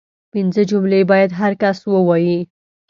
پنځه جملې باید هر کس ووايي